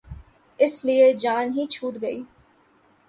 اس لیے جان ہی چھوٹ گئی۔